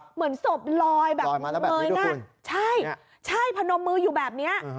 เหมือนศพลอยแบบเหมือนใหญ่นะใช่พนมมืออยู่แบบนี้